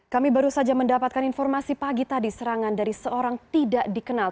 kami baru saja mendapatkan informasi pagi tadi serangan dari seorang tidak dikenal